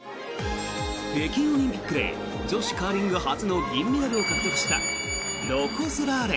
北京オリンピックで女子カーリング初の銀メダルを獲得したロコ・ソラーレ。